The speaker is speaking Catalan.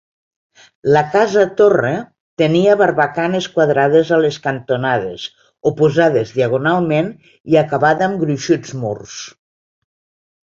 La casa-torre tenia barbacanes quadrades a les cantonades oposades diagonalment i acabada amb gruixuts murs.